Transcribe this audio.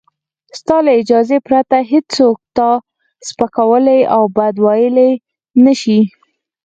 ستا له اجازې پرته هېڅوک تا سپکولای او بد ویلای نشي.